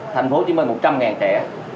tp hcm một trăm linh trẻ